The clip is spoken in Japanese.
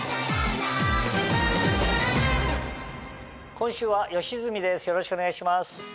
今週は吉住ですよろしくお願いします。